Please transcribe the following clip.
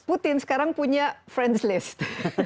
putin sekarang punya friends list